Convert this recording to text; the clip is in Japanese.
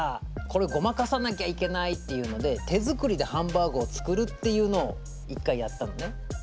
これごまかさなきゃいけない」っていうので手作りでハンバーグを作るっていうのを１回やったのね。